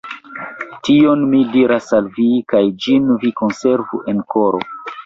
Tion mi diras al vi, kaj ĝin vi konservu en koro.